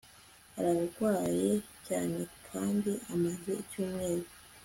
Ararwaye cyane kandi amaze icyumweru